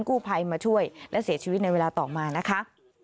กู้ภัยมาช่วยและเสียชีวิตในเวลาต่อมานะคะ